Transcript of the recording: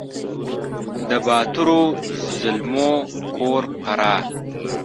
د باتورو زلمو کور فراه !